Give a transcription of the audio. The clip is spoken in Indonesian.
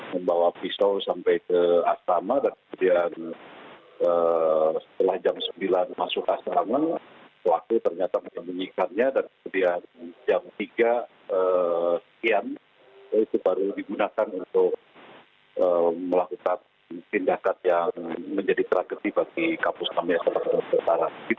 membawa pisau sampai ke astama dan kemudian setelah jam sembilan masuk astama pelaku ternyata menemunyikannya dan kemudian jam tiga sekian itu baru digunakan untuk melakukan tindakan yang menjadi tragedi bagi kampus kami